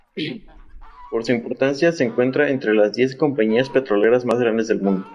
Por su importancia se encuentra entre las diez compañías petroleras más grandes del mundo.